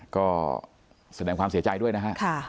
ก็แสดงความเสียใจด้วยนะฮะ